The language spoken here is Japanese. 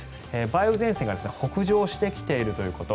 梅雨前線が北上してきているということ。